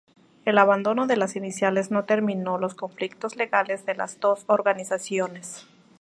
El abandono de las iniciales no terminó los conflictos legales de las dos organizaciones.